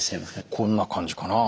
こんな感じかな？